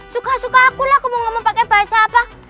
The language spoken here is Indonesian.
suka suka akulah kamu ngomong pake bahasa apa